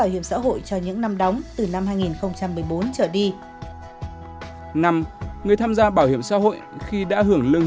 lưu cho những năm đóng từ năm hai nghìn một mươi bốn trở đi năm người tham gia bảo hiểm xã hội khi đã hưởng lương